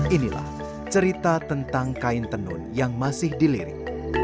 inilah cerita tentang kain tenun yang masih dilirik